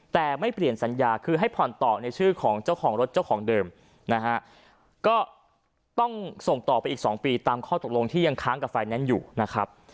แต่ไม่เปลี่ยนสัญญาคือให้ผ่อนต่อในชื่อของเจ้าของรถเจ้าของเดิมนะฮะก็ต้องส่งต่อไปอีก๒ปีตามข้อตกลงที่ยังค้างกับไฟแนนซ์อยู่นะครับ